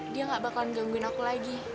dia gak bakal gangguin aku lagi